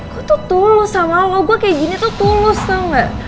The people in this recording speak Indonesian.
gue tuh tulus sama lo gue kayak gini tuh tulus tuh gak